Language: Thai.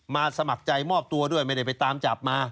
สมัครใจมอบตัวด้วยไม่ได้ไปตามจับมา